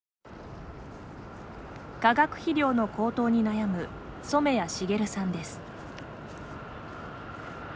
化学肥料の高騰に悩む染谷茂さんです。